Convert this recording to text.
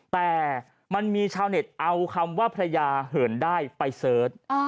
แต่มันมีชาวเน็ตเอาคำว่าพระยาเหินได้ไปเสิร์ช